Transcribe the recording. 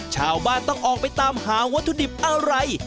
ชาวบ้านต้องออกไปตามหาวัตถุดิบอะไร